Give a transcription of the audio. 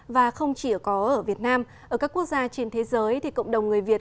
và không chỉ có ở việt nam ở các quốc gia trên thế giới thì cộng đồng người việt